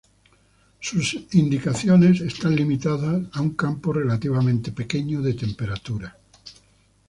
Sus indicaciones están limitadas a un campo relativamente pequeño de temperaturas.